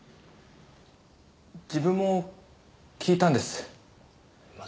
自分も聞いたんです。